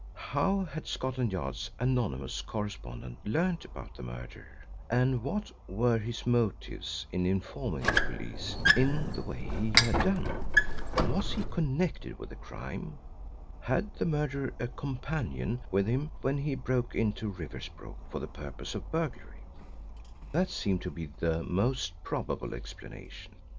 How had Scotland Yard's anonymous correspondent learned about the murder, and what were his motives in informing the police in the way he had done? Was he connected with the crime? Had the murderer a companion with him when he broke into Riversbrook for the purpose of burglary? That seemed to be the most probable explanation.